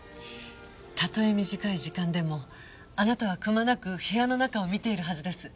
たとえ短い時間でもあなたは隈なく部屋の中を見ているはずです。